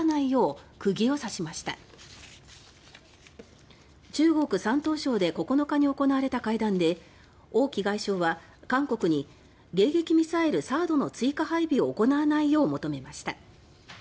中国外務省の発表によりますと中国・山東省で９日に行われた会談で王毅外相は韓国が迎撃ミサイルＴＨＡＡＤの追加配備を行わないよう求めました。